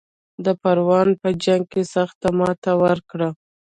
د پروان په جنګ کې سخته ماته ورکړه.